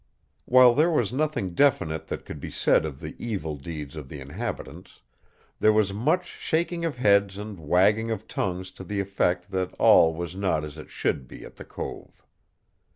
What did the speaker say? While there was nothing definite that could be said of the evil deeds of the inhabitants, there was much shaking of heads and wagging of tongues to the effect that all was not as it should be at the cove.